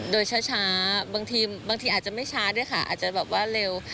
โดยช้าบางทีบางทีอาจจะไม่ช้าด้วยค่ะอาจจะแบบว่าเร็ว